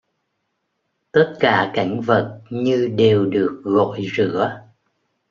Tất cả cảnh vật như đều được gội rửa